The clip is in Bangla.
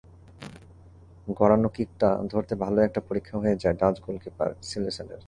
গড়ানো কিকটা ধরতে ভালোই একটা পরীক্ষা হয়ে যায় ডাচ গোলকিপার সিলেসেনের।